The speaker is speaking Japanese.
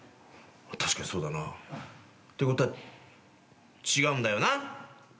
確かにそうだな。ということは違うんだよな？